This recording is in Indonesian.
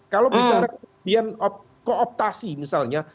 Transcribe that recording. kalau bicara kemudian kooptasi misalnya